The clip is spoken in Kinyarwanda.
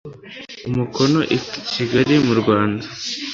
umukono i kigali mu rwanda